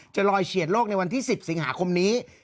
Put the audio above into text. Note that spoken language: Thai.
จะลอยเฉียดโลกในวันที่๑๐สิงหาคมนี้